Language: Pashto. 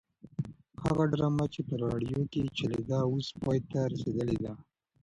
هغه ډرامه چې په راډیو کې چلېده اوس پای ته رسېدلې ده.